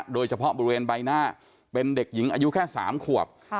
โดยเฉพาะบริเวณใบหน้าเป็นเด็กหญิงอายุแค่๓ขวบ